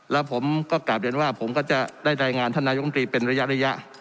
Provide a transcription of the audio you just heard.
แล้วผมก็กลับเรียนว่าผมก็จะได้รายงานท่านนายกรรมตรีเป็นระยะ